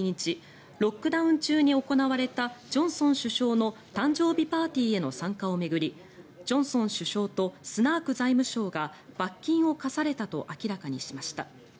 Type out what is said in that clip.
ロックダウン中に行われたジョンソン首相の誕生日パーティーへの参加を巡りジョンソン首相とスナーク財務相が罰金を科されたと明らかにしました。